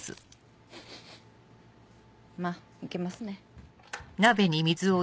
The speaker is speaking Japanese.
まぁ行けますね。